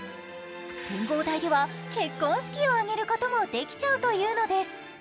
展望台では結婚式を挙げることもできちゃうというのです。